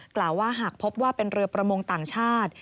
กล่าวว่าหากพบว่าเป็นเรือประมงต่างชาติ